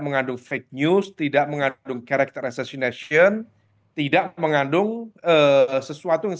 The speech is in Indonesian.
mengandung fake news tidak mengandung carect reseshination tidak mengandung sesuatu yang